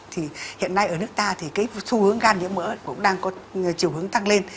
thì hiện nay ở nước ta thì cái xu hướng gan nhiễm mỡ cũng đang có chiều hướng tăng lên